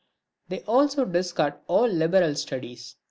They also discard all' liberal studies.